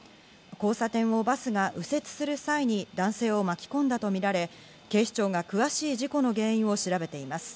交差点をバスが右折する際に男性を巻き込んだとみられ、警視庁が詳しい事故の原因を調べています。